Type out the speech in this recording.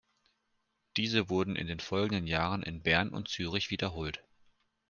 Diese wurde in den folgenden Jahren in Bern und Zürich wiederholt.